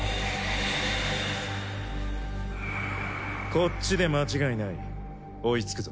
こっちで間違いない追いつくぞ。